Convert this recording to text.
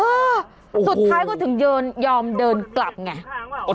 เออสุดท้ายก็ถึงยอมเดินกลับไงโอ้โห